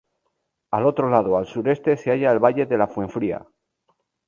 Al otro lado, al sureste, se halla el valle de la Fuenfría.